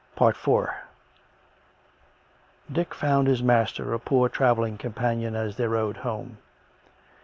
IV Dick found his master a poor travelling companion as they rode home.